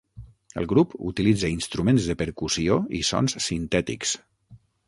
El grup utilitza instruments de percussió i sons sintètics.